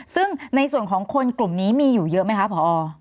ซึ่งในส่วนของคนกลุ่มนี้มีอยู่เยอะไหมคะพอ